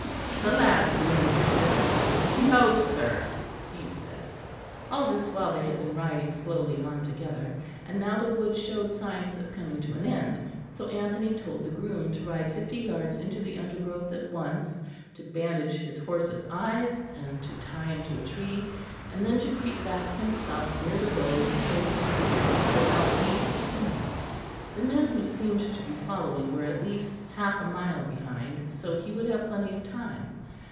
The lad grinned cheerfully. "No, sir," he said. All this while they had been riding slowly on together, and now the wood showed signs of coming to an end; so Anthony told the groom to ride fifty yards into the undergrowth at once, to bandage his horse's eyes, and to tie him to a tree; and then to creep back himself near the road, so as to see without being seen. The men who seemed to be following were at least half a mile behind, so he would have plenty of time.